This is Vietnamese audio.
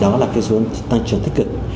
đó là cái xu hướng tăng trưởng tích cực